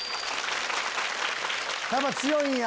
やっぱ強いんや。